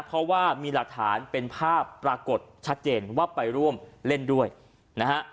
เพราะว่ามีหลักฐานเป็นภาพปรากฏชัดเจนว่าไปร่วมเล่นด้วยนะฮะ